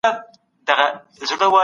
د مجلس مشر څوک دی؟